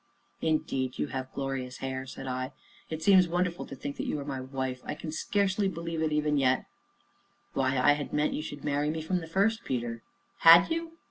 "Indeed you have glorious hair!" said I. "It seems wonderful to think that you are my wife. I can scarcely believe it even yet!" "Why, I had meant you should marry me from the first, Peter." "Had you?"